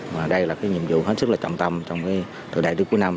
và đây là nhiệm vụ hết sức trọng tâm trong thời đại trước cuối năm